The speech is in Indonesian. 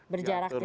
berjarak gitu ya